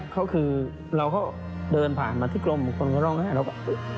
เขาคือเราก็เดินผ่านมาที่กรมมีคนก็ร่องไห้เราก็